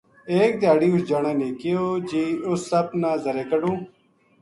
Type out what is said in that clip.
ایک دھیاڑی اُس جنا نے کہیو جی اِس سپ نا زَرے کڈھُو